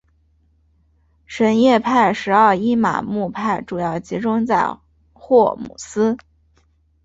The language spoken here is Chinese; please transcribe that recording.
什叶派十二伊玛目派主要集中在霍姆斯。